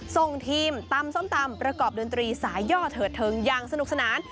ส่งทีมตำส้มตำประกอบดนตรีสายย่อเถิดเทิงอย่างสนุกสนาน